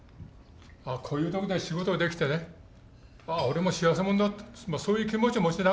「こういうとこで仕事ができてね俺も幸せもんだ」ってそういう気持ちを持ちながらね